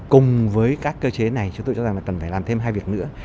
cùng với các cơ chế này chúng tôi cho rằng là cần phải làm thêm hai việc nữa